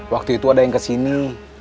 waktu itu ada yang kesini